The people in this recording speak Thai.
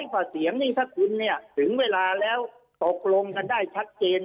กว่าเสียงนี่ถ้าคุณเนี่ยถึงเวลาแล้วตกลงกันได้ชัดเจน